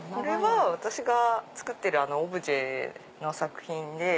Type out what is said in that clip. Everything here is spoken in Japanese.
私が作ってるオブジェの作品で。